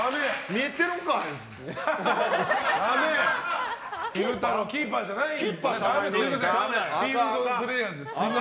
見えてるんかい！